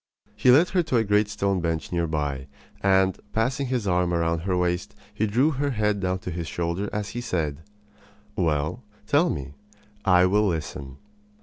He led her to a great stone bench near by; and, passing his arm about her waist, he drew her head down to his shoulder as he said: "Well, tell me. I will listen."